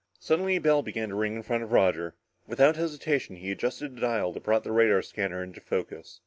Suddenly a bell began to ring in front of Roger. Without hesitation he adjusted a dial that brought the radar scanner into focus.